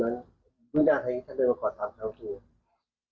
อะไรพอล่าของคุณ